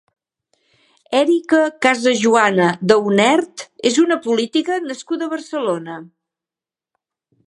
Erika Casajoana Daunert és una política nascuda a Barcelona.